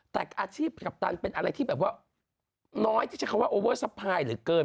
แต่อาชีพกัปตันเป็นอะไรที่แบบว่าน้อยที่จะคำว่าหรือเกิน